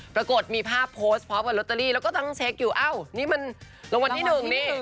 ปรากฏมีภาพโพสต์พร้อมกับลอตเตอรี่แล้วก็ทั้งเช็คอยู่อ้าวนี่มันรางวัลที่หนึ่งนี่